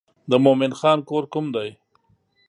د مومن خان کور کوم دی.